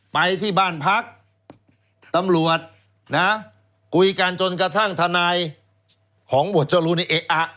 ไปที่บ้านพักตำรวจนะคุยกันจนกระทั่งทนายของหมวดจรูนนี่เอ๊ะอ่ะ